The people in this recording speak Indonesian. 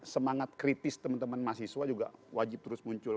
semangat kritis teman teman mahasiswa juga wajib terus muncul